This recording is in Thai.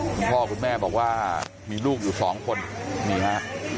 คุณพ่อคุณแม่บอกว่ามีลูกอยู่สองคนนี่ฮะ